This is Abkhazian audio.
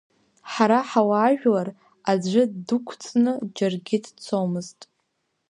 Ҳара ҳауаажәлар аӡәгьы дықәҵны џьаргьы дцомызт.